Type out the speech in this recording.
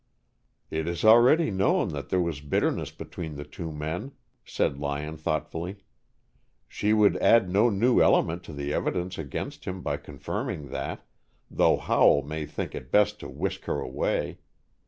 "It is already known that there was bitterness between the two men," said Lyon thoughtfully. "She would add no new element to the evidence against him by confirming that, though Howell may think it best to whisk her away.